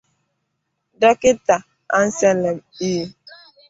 Dọkịta Anselm E